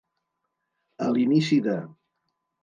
A l'inici de.